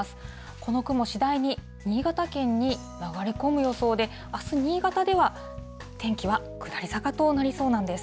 この雲、次第に新潟県に流れ込む予想で、あす新潟では天気は下り坂となりそうなんです。